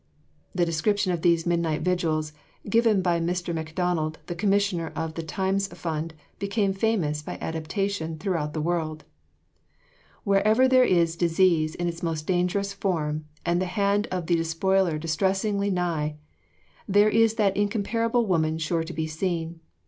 " The description of these midnight vigils, given by Mr. Macdonald, the commissioner of the Times Fund, became famous, by adaptation, throughout the world: Wherever there is disease in its most dangerous form and the hand of the despoiler distressingly nigh, there is that incomparable woman sure to be seen.